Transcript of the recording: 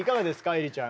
愛理ちゃん。